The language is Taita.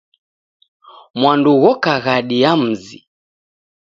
Mwandu ghoka ghadi ya mzi.